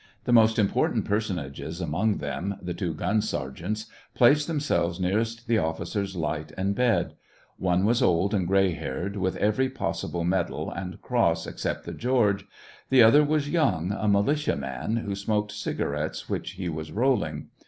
The most important personages among them — the two gun sergeants — placed themselves nearest the officer's light and bed ;— one was old and gray haired, with every possible medal and cross except the George ;— the other was young, a militia man, who smoked cigarettes, which he was rolling.